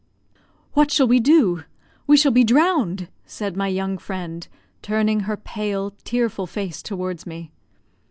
"What shall we do? We shall be drowned!" said my young friend, turning her pale, tearful face towards me.